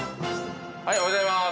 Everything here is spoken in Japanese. おはようございます。